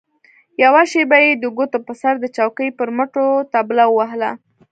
يوه شېبه يې د ګوتو په سر د چوکۍ پر مټو طبله ووهله.